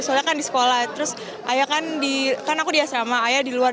soalnya kan di sekolah terus ayah kan aku di asrama ayah di luar